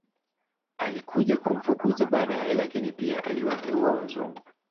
Alikuja kumfukuza badae lakini pia aliwateua wazungu